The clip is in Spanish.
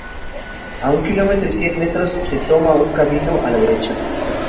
A un kilómetro y cien metros se toma un camino a la derecha.